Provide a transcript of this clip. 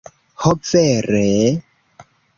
Ho vere...